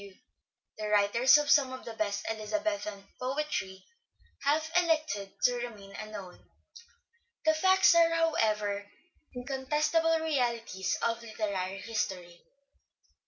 W.", the writers of some of the best Elizabethan poetry have elected to remain unknown. The facts are, however, incontestable realities of literary history.